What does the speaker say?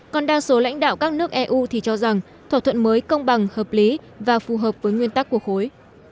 còn đa số lãnh đạo các nước eu thì cho rằng thỏa thuận mới công bằng hợp lý và phù hợp với nguyên tắc của khối